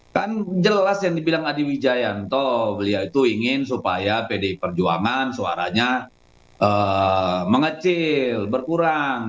kan jelas yang dibilang adi wijayanto beliau itu ingin supaya pdi perjuangan suaranya mengecil berkurang